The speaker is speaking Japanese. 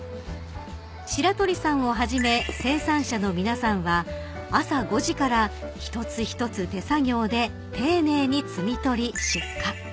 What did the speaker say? ［白鳥さんをはじめ生産者の皆さんは朝５時から一つ一つ手作業で丁寧に摘み取り出荷］